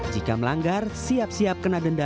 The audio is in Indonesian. jika melanggar siap siap kena denda